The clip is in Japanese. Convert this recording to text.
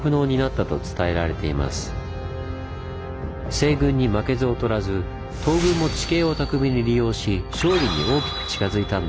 西軍に負けず劣らず東軍も地形を巧みに利用し勝利に大きく近づいたんです。